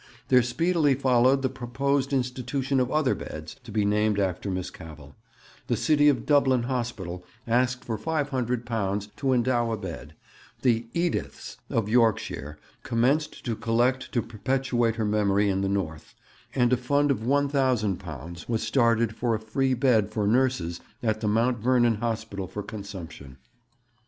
There speedily followed the proposed institution of other beds to be named after Miss Cavell: the City of Dublin Hospital asked for £500 to endow a bed; the 'Ediths' of Yorkshire commenced to collect to perpetuate her memory in the north; and a fund of £1,000 was started for a free bed for nurses at the Mount Vernon Hospital for Consumption.